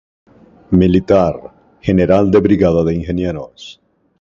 Militar, general de brigada de Ingenieros.